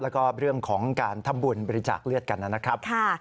แล้วก็เรื่องของการทำบุญบริจาคเลือดกันนะครับ